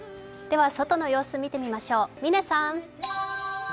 外の様子見てみましょう。